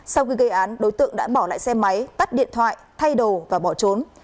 sau khi gây án đối tượng đã bỏ lại xe máy tắt điện thoại thay đồ và bỏ trốn